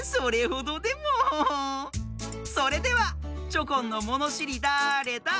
それではチョコンの「ものしりだれだ？」